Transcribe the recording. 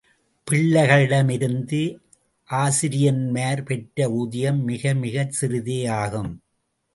பிள்ளைகளிடமிருந்து ஆசிரியன்மார் பெற்ற ஊதியம் மிக மிகச் சிறிதே ஆகும்.